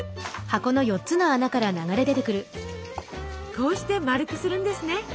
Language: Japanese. こうしてまるくするんですね。